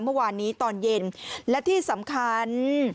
เมื่อวานนี้ตอนเย็นและที่สำคัญ